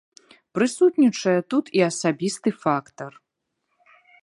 Прысутнічае тут і асабісты фактар.